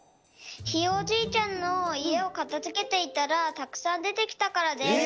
ひいおじいちゃんのいえをかたづけていたらたくさんでてきたからです。